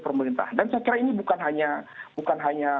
pemerintahan dan saya kira ini bukan hanya